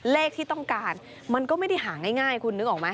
เลขที่ต้องการมันก็ไม่ได้หาง่ายคุณนึกออกไหม